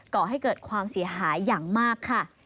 ก่อให้เกิดความเสียหายอย่างมากค่ะ